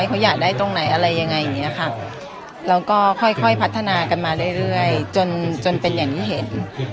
เขาอยากได้ตรงไหนอะไรยังไงอย่างนี้ค่ะแล้วก็ค่อยพัฒนากันมาเรื่อยจนจนเป็นอย่างที่เห็น